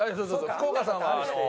福岡さんはあの。